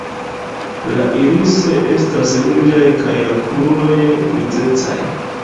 La irisoj estas ruĝaj kaj la kruroj grizecaj.